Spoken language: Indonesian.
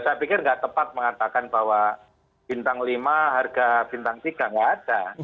saya pikir nggak tepat mengatakan bahwa bintang lima harga bintang tiga nggak ada